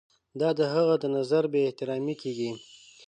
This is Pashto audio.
دا د هغه د نظر بې احترامي کیږي.